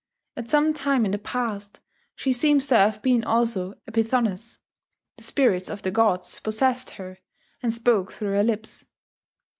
At some time in the past she seems to have been also a pythoness: the spirits of the gods possessed her and spoke through her lips.